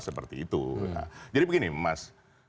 seperti itu jadi begini mas